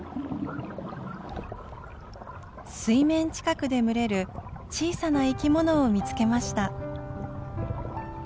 水面近くで群れる小さな生き物を見つけました。